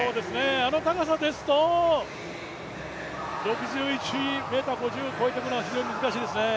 あの高さですよ、６１ｍ５０を越えていくのは非常に難しいですね。